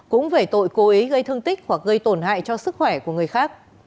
cũng về tội cô ấy gây thương tích hoặc gây tổn hại cho sức khỏe của người khác